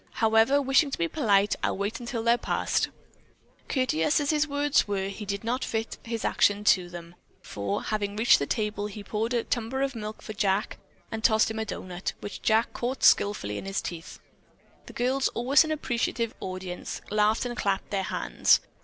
However, wishing to be polite, I'll wait until they're passed." Courteous as his words were, he did not fit his action to them, for, having reached the table, he poured out a tumbler of milk for Jack and tossed him a doughnut, which Jack caught skillfully in his teeth. The girls, always an appreciative audience, laughed and clapped their hands.